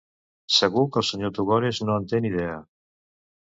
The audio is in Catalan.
Segur que el senyor Tugores no en té ni idea.